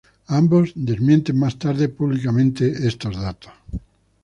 Ambos desmienten más tarde públicamente estos datos.